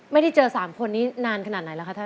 ไม่ได้เจอสามคนนี้นานขนาดไหนแล้วคะ